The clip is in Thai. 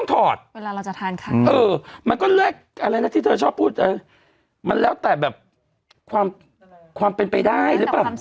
ถามกูนี่ถามกูนี่